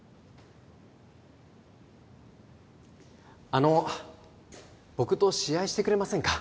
あの僕と試合してくれませんか？